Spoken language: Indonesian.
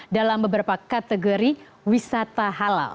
dalam beberapa kategori wisata halal